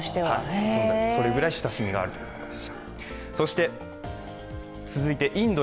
それぐらい親しみがあるということです。